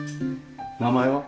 名前は？